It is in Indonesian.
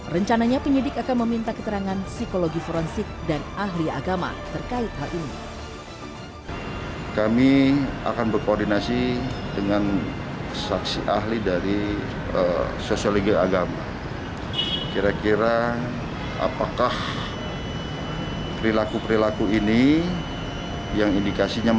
rencananya penyidik akan meminta keterangan psikologi forensik dan ahli agama terkait hal ini